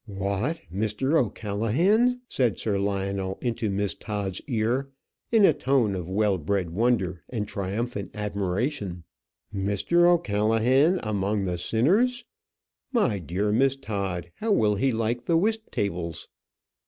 "What, Mr. O'Callaghan!" said Sir Lionel into Miss Todd's ear, in a tone of well bred wonder and triumphant admiration. "Mr. O'Callaghan among the sinners! My dear Miss Todd, how will he like the whist tables?"